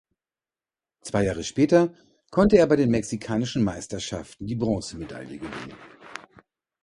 Zwei Jahre später konnte er bei den Mexikanischen Meisterschaften die Bronzemedaille gewinnen.